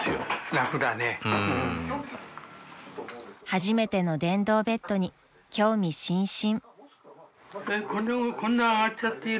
［初めての電動ベッドに興味津々］